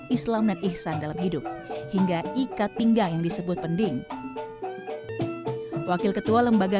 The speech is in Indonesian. islam dan ihsan dalam hidup hingga ikat pinggang yang disebut pending wakil ketua lembaga